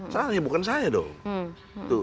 salahnya bukan saya dong